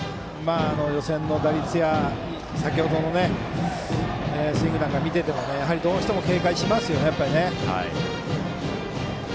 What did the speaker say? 予選の打率や先程のスイングなんかを見るとどうしても警戒しますよね。